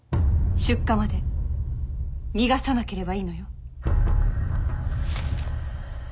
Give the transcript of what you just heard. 出荷まで逃がさなければいいのよ。